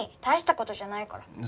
大した事じゃないから。